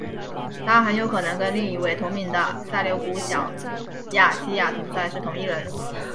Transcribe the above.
他很有可能跟另一位同名的塞琉古小亚细亚统帅是同一人。